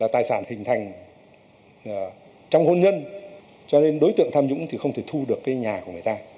tài sản hình thành trong hôn nhân cho nên đối tượng tham nhũng thì không thể thu được cái nhà của người ta